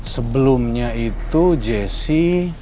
sebelumnya itu jessy